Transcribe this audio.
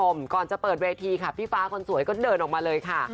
ก่อนจะเปิดเวทีค่ะพี่ฟ้าคนสวยก็เดินออกมาเลยค่ะ